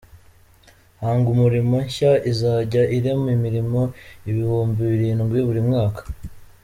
Hanga Umurimo nshya izajya irema imirimo ibihumbi birindwi buri mwaka